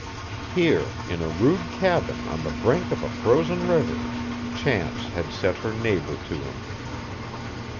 Here, in a rude cabin on the brink of a frozen river, chance had set her neighbor to him.